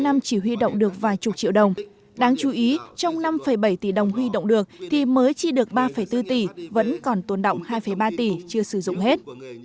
năm chỉ huy động được vài chục triệu đồng đáng chú ý trong năm bảy tỷ đồng huy động được thì mới chi được ba bốn tỷ vẫn còn tồn động hai ba tỷ chưa sử dụng hết